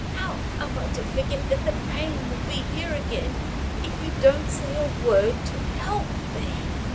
How am I to forget that the pain will be here again, if you don't say a word to help me?"